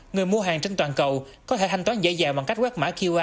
người mua hàng trên toàn cầu có thể thanh toán dễ dàng bằng cách quét mã qr